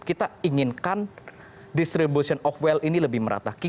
kita inginkan distribution of well ini lebih merata